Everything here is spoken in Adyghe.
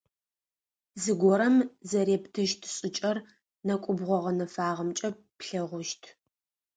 Зыгорэм зэрептыщт шӏыкӏэр нэкӏубгъо гъэнэфагъэмкӏэ плъэгъущт.